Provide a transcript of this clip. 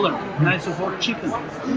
bagus untuk ayam